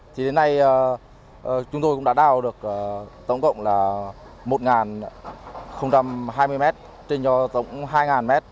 thì đến nay chúng tôi cũng đã đào được tổng cộng là một hai mươi m trên tổng hai m